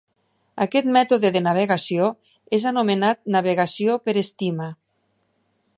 Aquest mètode de navegació és anomenat navegació per estima.